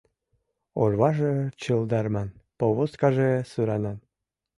Орваже чылдарман, повозкаже суранан